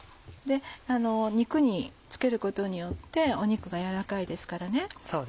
肉につけることによって肉が軟らかいですからね。